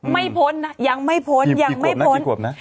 ไม่พ้นยังพ้น